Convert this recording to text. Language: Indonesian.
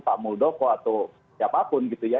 pak muldoko atau siapapun gitu ya